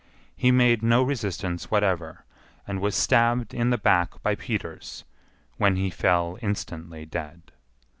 He made no resistance whatever, and was stabbed in the back by Peters, when he fell instantly dead.